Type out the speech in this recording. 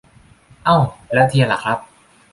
เอ้า ! แล้วเทียนล่ะครับ !